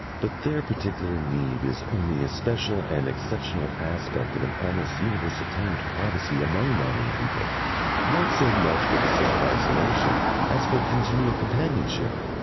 But their particular need is only a special and exceptional aspect of an almost universal claim to privacy among modern people, not so much for the sake of isolation as for congenial companionship.